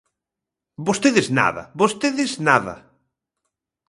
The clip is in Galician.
¡Vostedes nada, vostedes nada!